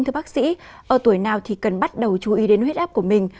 thưa bác sĩ ở tuổi nào thì cần bắt đầu chú ý đến huyết áp của mình